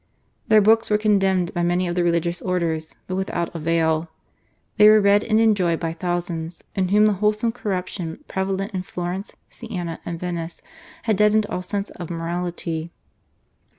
Their books were condemned by many of the religious orders, but without avail. They were read and enjoyed by thousands, in whom the wholesale corruption prevalent in Florence, Siena, and Venice, had deadened all sense of morality.